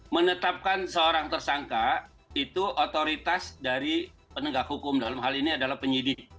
menetapkan seorang tersangka itu otoritas dari penegak hukum dalam hal ini adalah penyidik